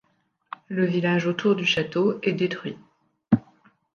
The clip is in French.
Le village autour du château est détruit.